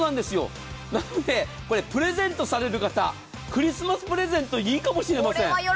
なので、プレゼントされる方クリスマスプレゼントいいかもしれません。